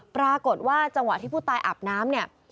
ปรากฏว่าจังหวะที่ผู้ตายอาบน้ำเนี่ย